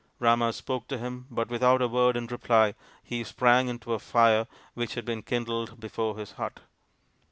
Rama spoke to him, but without a word in reply he sprang into a fire which had been kindled before his hut.